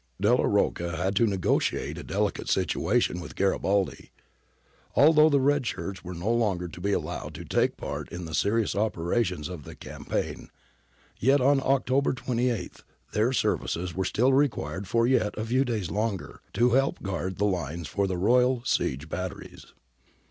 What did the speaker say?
Delia Rocca had to negotiate a delicate situation with Garibaldi. Although the red shirts were no longer to be allowed to take part in the serious operations of the campaign, yet on October 28 their services were still required for yet a few days longer to help guard the lines for the royal siege batteries.